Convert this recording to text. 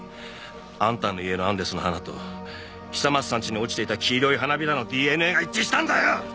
あんたの家のアンデスの花と久松さんちに落ちていた黄色い花びらのＤＮＡが一致したんだよ！